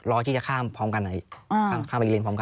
รอที่จะข้ามพร้อมกันไหนข้ามไปเรียนพร้อมกัน